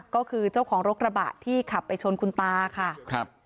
ก็คือเจ้าของรถกระบะที่ขับไปชนคุณตาค่ะครับ